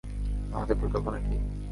আমাদের পরিকল্পনা কি?